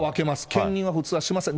兼任は普通はしません。